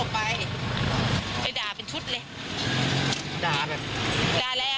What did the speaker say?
ไปด่าเป็นชุดเลย